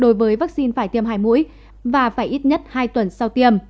đối với vaccine phải tiêm hai mũi và phải ít nhất hai tuần sau tiêm